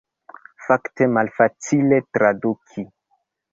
Fakte malfacile traduki.